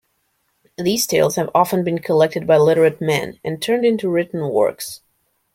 These tales have often been collected by literate men, and turned into written works.